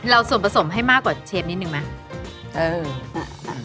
ส่วนผสมให้มากกว่าเชฟนิดนึงไหม